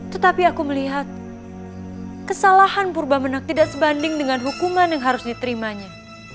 tetapi aku melihat kesalahan purba benang tidak sebanding dengan hukuman yang harus diterimanya